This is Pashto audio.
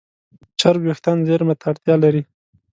چرب وېښتيان زېرمه ته اړتیا لري.